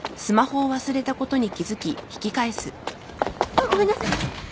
あっごめんなさい。